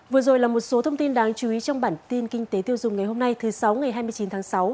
vừa rồi là một số thông tin đáng chú ý trong bản tin kinh tế tiêu dùng ngày hôm nay thứ sáu ngày hai mươi chín tháng sáu